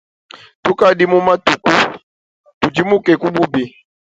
Tukadi mu matuku tudimuke ku bubi.